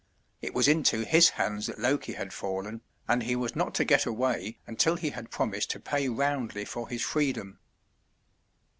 It was into his hands that Loki had fallen, and he was not to get away until he had promised to pay roundly for his freedom.